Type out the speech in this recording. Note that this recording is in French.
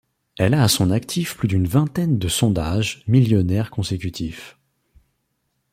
Elle a à son actif plus d'une vingtaine de sondages millionnaires consécutifs.